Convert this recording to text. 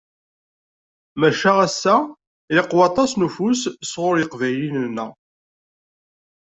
Maca, ass-a ilaq waṭas n ufus sɣur yiqbayliyen-nneɣ.